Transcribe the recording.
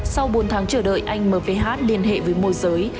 sau bốn tháng chờ đợi anh mvh liên hệ với môi giới